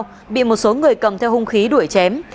bị một số người cầm theo hung khí đuổi chém